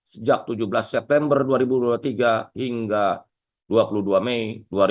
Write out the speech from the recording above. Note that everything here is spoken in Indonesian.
sejak tujuh belas september dua ribu dua puluh tiga hingga dua puluh dua mei dua ribu dua puluh